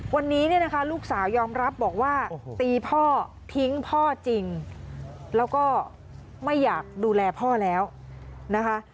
วันนี้เนี่ยนะคะลูกสาวยอมรับบอกว่าตีพ่อทิ้งพ่อจริงแล้วก็ไม่อยากดูแลพ่อแล้วนะคะ